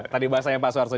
tadi bahasanya pak suwarso